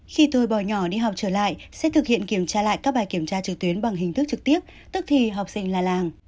khi tôi bỏ nhỏ đi học trở lại sẽ thực hiện kiểm tra lại các bài kiểm tra trực tuyến bằng hình thức trực tiếp tức thì học sinh là làng